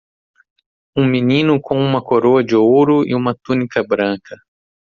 Um menino com uma coroa de ouro e uma túnica branca.